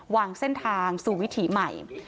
วางเส้นทางสู่วิถีใหม่